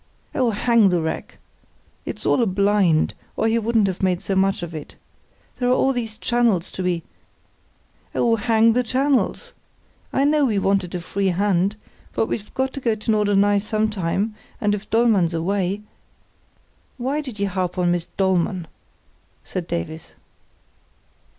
"Oh, hang the wreck! It's all a blind, or he wouldn't have made so much of it. There are all these channels to be——" "Oh, hang the channels! I know we wanted a free hand, but we've got to go to Norderney some time, and if Dollmann's away——" "Why did you harp on Miss Dollmann?" said Davies.